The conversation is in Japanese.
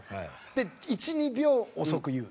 で１２秒遅く言う。